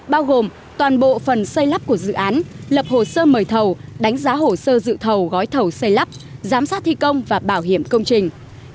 bao gồm toàn bộ phần xây lắp của dự án lập hồ sơ mời thầu đánh giá hồ sơ dự thầu gói thầu xây lắp giám sát thi công và bảo hiểm công trình